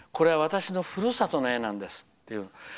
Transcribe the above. これは私のふるさとの絵なんですって。